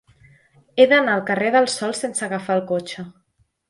He d'anar al carrer del Sol sense agafar el cotxe.